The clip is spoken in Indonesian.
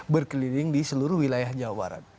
berkeliling di seluruh wilayah jawa barat